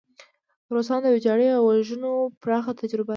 روسان د ویجاړۍ او وژنو پراخه تجربه لري.